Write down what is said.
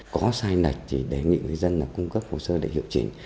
có sai nạch thì đề nghị người dân cung cấp hồ sơ để hiệu trình